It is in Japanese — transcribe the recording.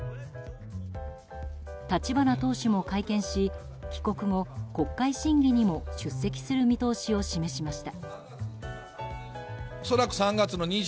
立花党首も会見し帰国後、国会審議にも出席する見通しを示しました。